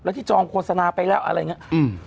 ที่จองโฆษณาไปแล้วอะไรอย่างนี้